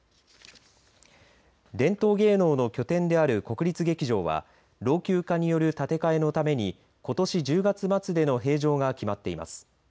伝統芸能の拠点である国立劇場は老朽化による建て替えのためにことし１０月末での閉場が決まっています。